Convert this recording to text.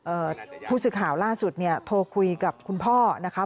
ผู้สื่อข่าวล่าสุดเนี่ยโทรคุยกับคุณพ่อนะคะ